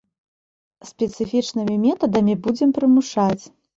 Спецыфічнымі метадамі будзем прымушаць.